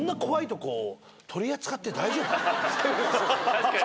確かに。